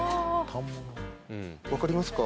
分かりますか？